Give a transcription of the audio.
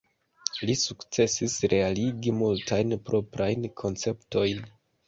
Li sukcesis realigi multajn proprajn konceptojn.